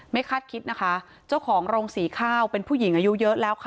คาดคิดนะคะเจ้าของโรงสีข้าวเป็นผู้หญิงอายุเยอะแล้วค่ะ